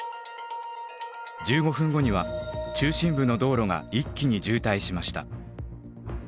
１５分後には中心部の道路が一気に渋滞しました。